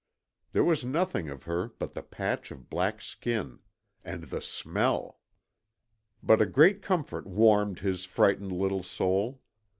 There was nothing of her but the patch of black skin and the SMELL. But a great comfort warmed his frightened little soul.